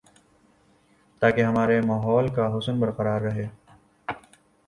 تاکہ ہمارے ماحول کی حسن برقرار رہے